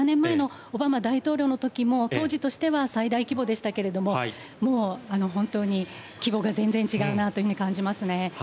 ７年前のオバマ大統領のときも、当時としては最大規模でしたけれど、もう本当に規模が全然違うなと感じますね。